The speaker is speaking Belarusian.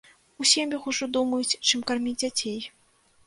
У сем'ях ужо думаюць, чым карміць дзяцей.